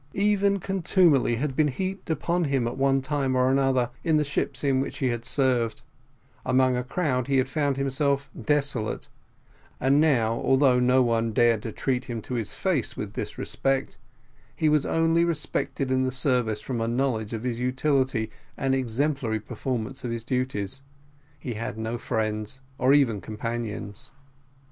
Every contumely had been heaped upon him at one time or another, in the ships in which he served; among a crowd he had found himself desolate and now, although no one dared treat him to his face with disrespect, he was only respected in the service from a knowledge of his utility and exemplary performance of his duties he had no friends or even companions.